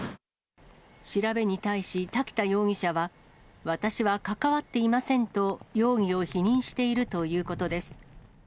調べに対し、滝田容疑者は、私は関わっていませんと、容疑を否認しているということです。